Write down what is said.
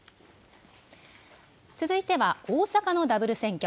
続いては、大阪のダブル選挙。